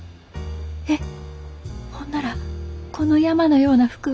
えっほんならこの山のような服は証拠隠滅。